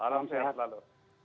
salam sehat selalu